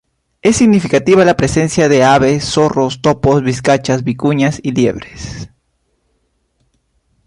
Es significativa la presencia de aves, zorros, topos, vizcachas, vicuña y liebres.